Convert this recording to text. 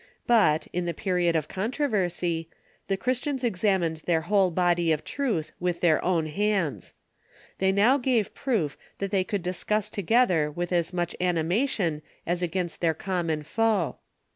But, in the period of controversy, the Christians examined their whole body of truth with their own hands. They now gaVe proof that they could discuss together with as much animation as against their common foe.